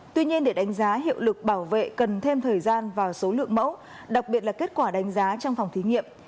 tuy nhiên để đánh giá hiệu lực bảo vệ cần thêm thời gian và số lượng mẫu đặc biệt là kết quả đánh giá trong phòng thí nghiệm